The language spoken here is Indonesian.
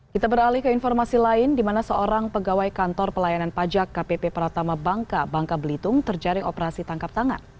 kita beralih ke informasi lain di mana seorang pegawai kantor pelayanan pajak kpp pratama bangka bangka belitung terjaring operasi tangkap tangan